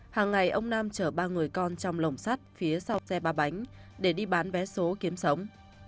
hàng ngày ông nam chở ba người con trong lồng sắt phía sau xe ba bánh để đi bán vé số kiếm sống